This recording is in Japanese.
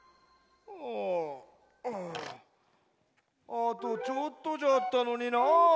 あとちょっとじゃったのにな。